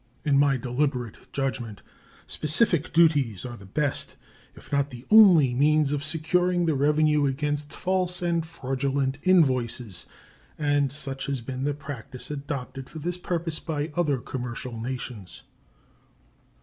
In my deliberate judgment specific duties are the best, if not the only, means of securing the revenue against false and fraudulent invoices, and such has been the practice adopted for this purpose by other commercial nations.